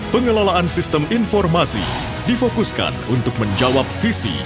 pengelolaan sistem informasi difokuskan untuk menjawab visi